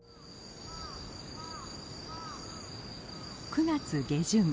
９月下旬。